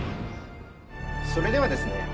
それではですね